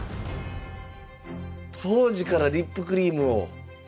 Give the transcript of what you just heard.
当時からリップクリームを。